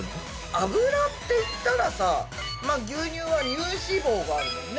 油っていったらさまあ牛乳は乳脂肪があるもんね。